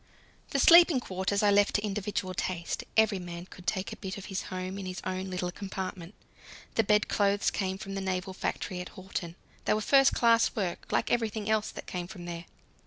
The sleeping quarters I left to individual taste: every man could take a bit of his home in his own little compartment. The bedclothes came from the naval factory at Horten; they were first class work, like everything else that came from there.